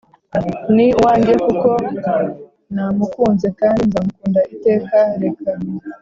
“ni uwanjye; kuko namukunze, kandi nzamukunda iteka; reka! ”